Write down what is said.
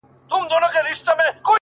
د ژوند خوارۍ كي يك تنها پرېږدې؛